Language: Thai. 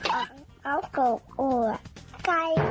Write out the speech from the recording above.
อังเปล้าเกาอัว